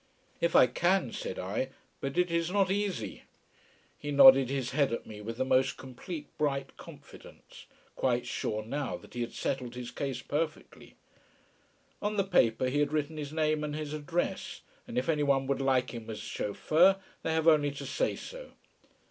"If I can," said I. "But it is not easy." He nodded his head at me with the most complete bright confidence, quite sure now that he had settled his case perfectly. On the paper he had written his name and his address, and if anyone would like him as chauffeur they have only to say so.